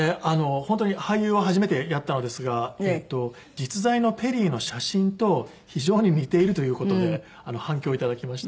本当に俳優を初めてやったのですが実在のペリーの写真と非常に似ているという事で反響を頂きました。